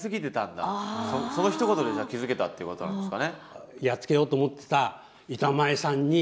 そのひと言で気付けたってことなんですかね。